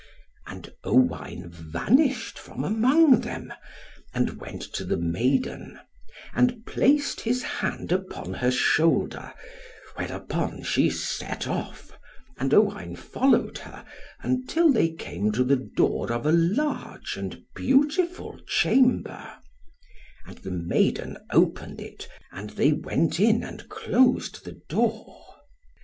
And Owain vanished from among them, and went to the maiden, and placed his hand upon her shoulder, whereupon she set off, and Owain followed her, until they came to the door of a large and beautiful chamber, and the maiden opened it, and they went in, and closed the door.